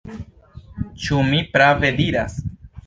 Ĉu mi prave diras?